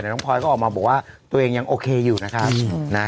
แต่น้องพลอยก็ออกมาบอกว่าตัวเองยังโอเคอยู่นะครับ